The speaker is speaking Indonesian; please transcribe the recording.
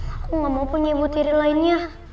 aku nggak mau punya ibu tiri lainnya